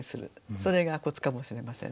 それがコツかもしれませんね。